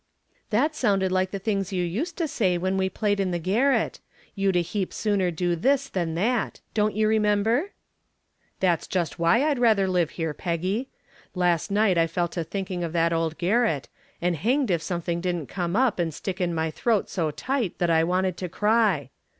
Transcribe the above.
"That sounded like the things you used to say when we played in the garret. You'd a heap sooner do this than that don't you remember?" "That's just why I'd rather live here, Peggy. Last night I fell to thinking of that old garret, and hanged if something didn't come up and stick in my throat so tight that I wanted to cry.